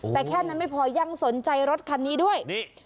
แต่แค่นั้นไม่พอยังสนใจรถคันนี้ด้วยนี่